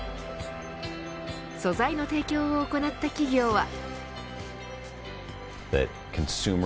素材の提供を行った企業は。